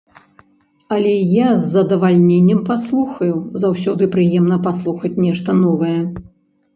Але я з задавальненнем паслухаю, заўсёды прыемна паслухаць нешта новае.